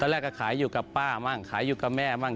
แรกก็ขายอยู่กับป้ามั่งขายอยู่กับแม่บ้าง